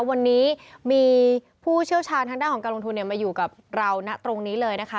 วันนี้มีผู้เชี่ยวชาญทางด้านของการลงทุนมาอยู่กับเรานะตรงนี้เลยนะคะ